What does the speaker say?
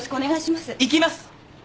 行きます。